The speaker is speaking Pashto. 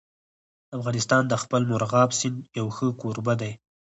افغانستان د خپل مورغاب سیند یو ښه کوربه دی.